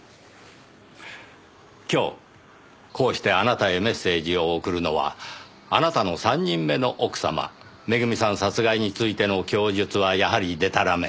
今日こうしてあなたへメッセージを送るのはあなたの３人目の奥様めぐみさん殺害についての供述はやはりでたらめ。